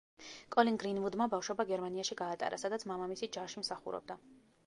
კოლინ გრინვუდმა ბავშვობა გერმანიაში გაატარა, სადაც მამამისი ჯარში მსახურობდა.